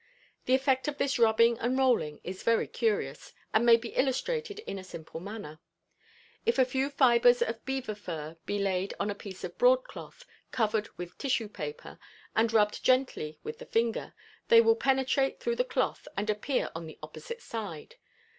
The effect of this rubbing and rolling is very curious, and may be illustrated in a simple manner: if a few fibers of beaver fur be laid on a piece of broadcloth, covered with tissue paper, and rubbed gently with the finger, they will penetrate through the cloth and appear on the opposite side.